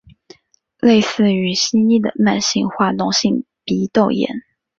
类似于西医的慢性化脓性鼻窦炎。